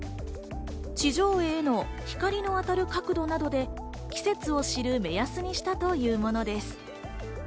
地上絵への光の当たる角度などで、季節を知る目安にしたというものです。